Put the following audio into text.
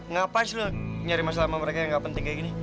ngapain sih nyari masalah sama mereka yang gak penting kayak gini